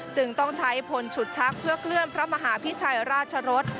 จึงต้องใช้พลฉุดชักเพื่อเคลื่อนพระมหาพิชัยราชรส